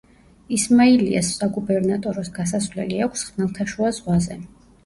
ისმაილიას საგუბერნატოროს გასასვლელი აქვს ხმელთაშუა ზღვაზე.